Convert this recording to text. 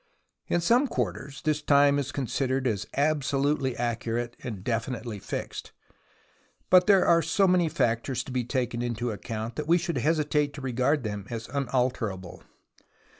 In some quarters this time is considered as absolutely accurate and definitely fixed, but there are so many factors to be taken into account that we should hesitate to regard them as unalterable.